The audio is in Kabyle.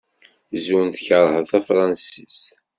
Zun tkerheḍ tanfransist?